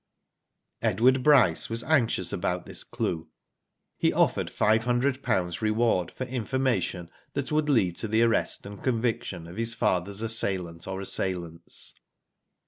Edward Bryce was anxious about this ''clue." He offered five hundred pounds reward, for in formation that would lead to the arrest and con viction of his father's assailant or assailants.